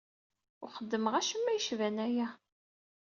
Ur xeddmeɣ acemma yecban aya.